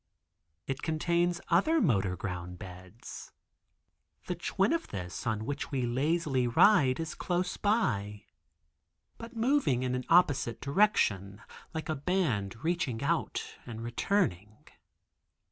It contains other motor ground beds. The twin of this on which we lazily ride is close by, but moving in an opposite direction, like a band reaching out and returning.